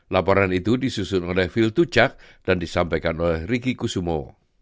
laporan itu disusun oleh viltu cak dan disampaikan oleh riki kusumo